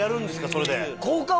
それで。